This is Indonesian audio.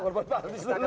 boleh boleh pak anies dulu